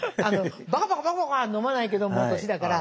バカバカバカバカは飲まないけどもう年だから。